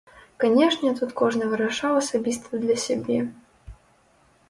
Канешне, тут кожны вырашаў асабіста для сябе.